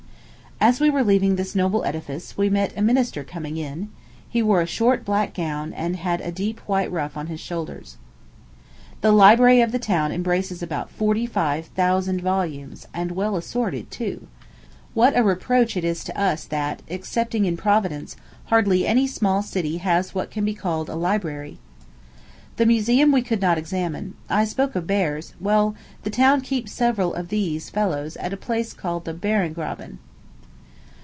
As we were leaving this noble edifice, we met a minister coming in; he wore a short, black gown, and had a deep white ruff on his shoulders. The library of the town embraces about forty five thousand volumes and well assorted, too. What a reproach it is to us that, excepting in Providence, hardly any small city has what can be called a library! The Museum we could not examine. I spoke of bears: well, the town keeps several of these fellows at a place called the Bärengraben.